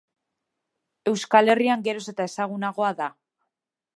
Euskal Herrian geroz eta ezagunagoa da.